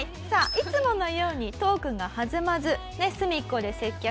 いつものようにトークが弾まず隅っこで接客しているメグさん。